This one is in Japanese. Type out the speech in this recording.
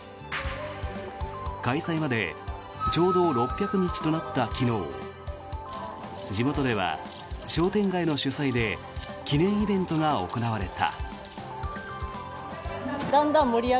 開催までちょうど６００日となった昨日地元では商店街の主催で記念イベントが行われた。